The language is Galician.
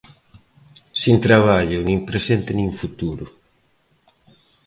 Sen traballo, nin presente, nin futuro.